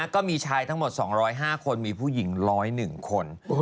ก็มีชายทั้งหมด๒๐๕คนมีผู้หญิง๑๐๑คน